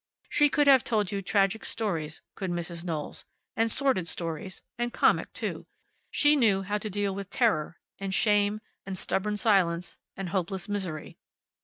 She could have told you tragic stories, could Mrs. Knowles, and sordid stories, and comic too; she knew how to deal with terror, and shame, and stubborn silence, and hopeless misery.